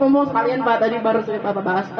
ngomong sekalian pak tadi baru pak bahas